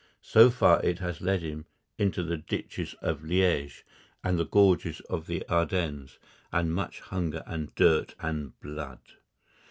(So far it has led him into the ditches of Liège and the gorges of the Ardennes and much hunger and dirt and blood.)